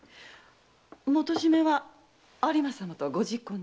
元締は有馬様とご昵懇で？